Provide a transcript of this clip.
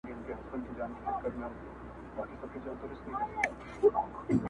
ړانده وګړي د دلبرو قدر څه پیژني؛